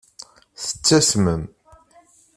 Tettasmem.